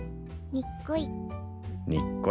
にっこり。